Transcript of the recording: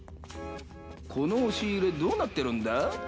この押し入れどうなってるんだ？